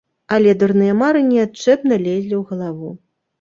Але дурныя мары неадчэпна лезлі ў галаву.